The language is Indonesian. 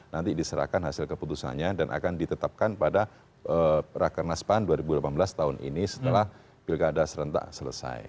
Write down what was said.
nanti diserahkan hasil keputusannya dan akan ditetapkan pada rakernas pan dua ribu delapan belas tahun ini setelah pilkada serentak selesai